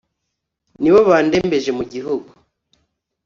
Nibo badendeje mu gihugu.